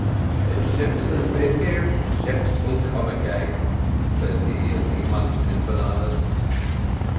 "If ships has been here, ships will come again," said he, as he munched his bananas.